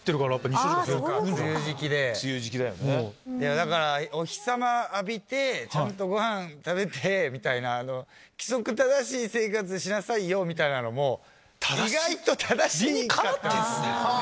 だからお日さま浴びてちゃんとごはん食べてみたいな規則正しい生活しなさいよみたいなのも意外と正しい。